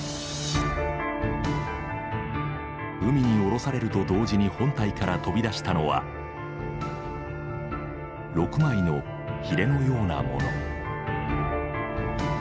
海に降ろされると同時に本体から飛び出したのは６枚のヒレのようなもの。